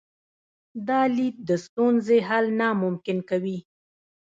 دا لید د ستونزې حل ناممکن کوي.